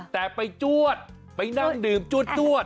แต่ไปจวดไปนั่งดื่มจวด